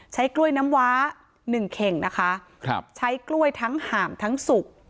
ใช้กล้วยน้ำว้าหนึ่งเข่งนะคะครับใช้กล้วยทั้งห่ามทั้งสุก